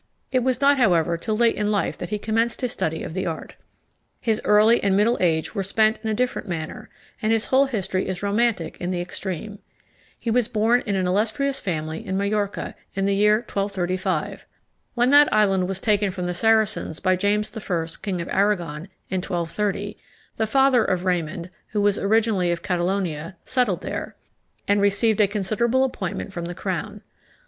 It was not, however, till late in life that he commenced his study of the art. His early and middle age were spent in a different manner, and his whole history is romantic in the extreme. He was born of an illustrious family, in Majorca, in the year 1235. When that island was taken from the Saracens by James I. king of Aragon, in 1230, the father of Raymond, who was originally of Catalonia, settled there, and received a considerable appointment from the crown.